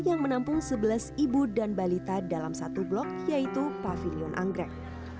yang menampung sebelas ibu dan balita dalam satu blok yaitu pavilion anggrek